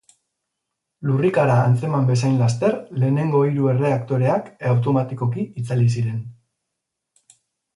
Lurrikara atzeman bezain laster lehenengo hiru erreaktoreak automatikoki itzali ziren.